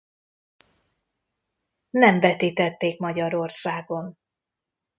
Nem vetítették Magyarországon.